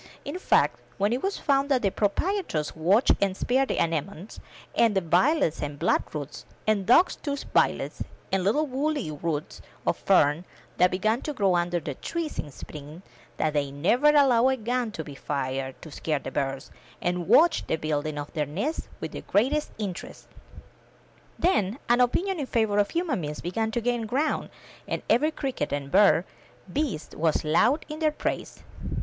In fact, when it was found 272 IN THE NURSERY that the proprietors watched and spared the anemones, and the violets, and bloodroots, and dog's tooth violets, and little woolly rolls of fern that began to grow up under the trees in spring — that they never allowed a gun to be fired to scare the birds, and watched the building of their nests with the greatest interest — then an opinion in favor of human beings began to gain ground, and every cricket and bird and beast was loud in their praise.